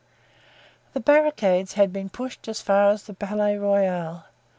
The barricades had been pushed as far as the Palais Royal.